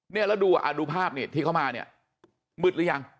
นี่แล้วดูภาพนี้มึดรึยัง